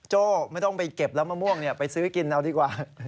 โจ้ไม่ต้องไปเก็บแล้วมะม่วงไปซื้อกินเอาดีกว่า